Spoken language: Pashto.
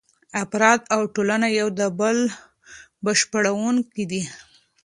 افراد او ټولنه یو د بل بشپړونکي دي.